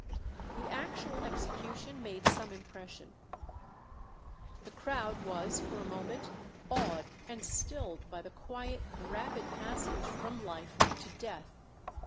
The actual execution made some impression. The crowd was for a moment awed and stilled by the quiet rapid passage from life to death!